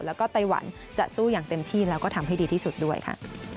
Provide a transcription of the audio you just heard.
แล้วก็ไต้หวันจะสู้อย่างเต็มที่แล้วก็ทำให้ดีที่สุดด้วยค่ะ